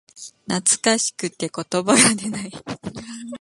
懐かしくて言葉が出ない